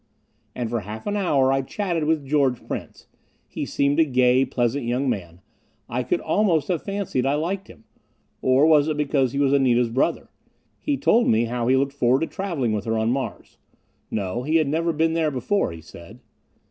And for half an hour I chatted with George Prince. He seemed a gay, pleasant young man. I could almost have fancied I liked him. Or was it because he was Anita's brother? He told me how he looked forward to traveling with her on Mars. No, he had never been there before, he said.